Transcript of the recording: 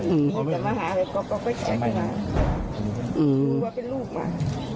อืมแต่มาหาอะไรก็ก็ก็ก็กลับมาอืมรู้ว่าเป็นลูกมา